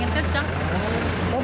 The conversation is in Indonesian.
tidak ada tidak ada angin kecang